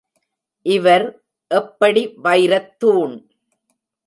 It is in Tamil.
இவர் எப்படி வைரத் தூண்.